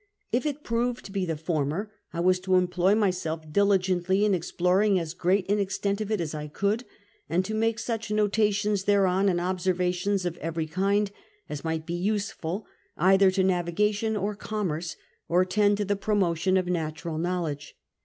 If it ])roved to be the former, 1 was to employ my self diligently in exploring ns great an extent of it as I could, and to make such notfitions thereon, and observations of every kind, as might be useful either to navigation or com merce, or tend to the pi'omotion of natural knowledge.